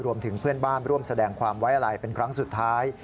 เพื่อนบ้านร่วมแสดงความไว้อะไรเป็นครั้งสุดท้าย